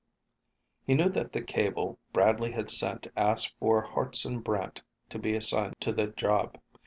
He knew that the cable Bradley had sent asked for Hartson Brant to be assigned to the job.